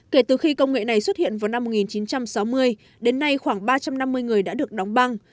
kể từ khi công nghệ này xuất hiện vào năm một nghìn chín trăm sáu mươi đến nay khoảng ba trăm năm mươi người đã được đóng băng